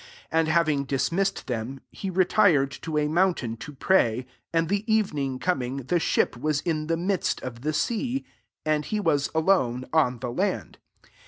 46 And having dis missed them, he retired to a mountain to pray. 4T And the evening coming, the ship was in the midst of the sea^ and he wa» alone, on the land.